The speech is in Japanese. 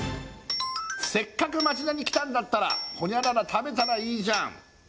「せっかく町田に来たんだったら○○食べたらいいじゃん！」